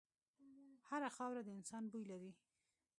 هره خاوره د انسان بوی لري.